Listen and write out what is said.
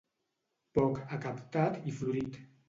Poc, acaptat i florit.